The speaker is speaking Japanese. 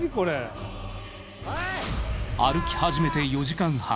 歩き始めて４時間半。